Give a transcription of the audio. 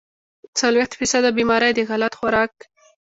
څلوېښت فيصده بيمارۍ د غلط خوراک